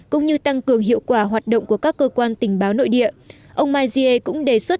cũng như tăng cường hiệu quả hoạt động của các cơ quan tình báo nội địa ông majie cũng đề xuất